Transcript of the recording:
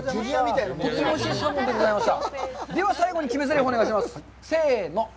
とってもおいしいサーモンでございました。